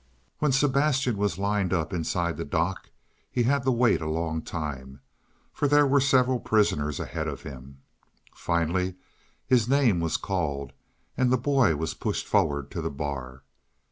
When Sebastian was lined up inside the dock he had to wait a long time, for there were several prisoners ahead of him. Finally his name was called, and the boy was pushed forward to the bar.